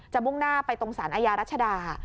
มุ่งหน้าไปตรงสารอาญารัชดา